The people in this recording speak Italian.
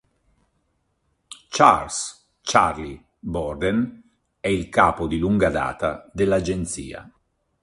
Charles "Charlie" Borden è il capo di lunga data dell'Agenzia.